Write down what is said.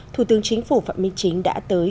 thủ tướng chính phủ phạm minh chính đã tới